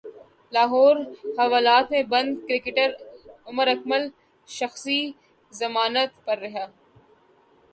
لاہور حوالات مں بند کرکٹر عمر اکمل شخصی ضمانت پر رہا